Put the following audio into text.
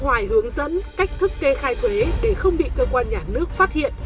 đỗ thanh hoài hướng dẫn cách thức kê khai thuế để không bị cơ quan nhà nước phát hiện